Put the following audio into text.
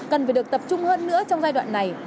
cần phải được tập trung hơn nữa trong giai đoạn này